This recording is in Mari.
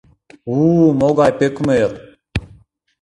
У-у, могай пӧкмӧр!